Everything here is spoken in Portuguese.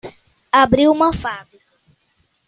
Abriu uma fábrica